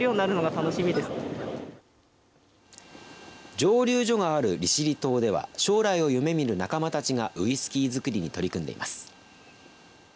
蒸留所がある利尻島では将来を夢見る仲間たちがウイスキー造りに取り組んでいます。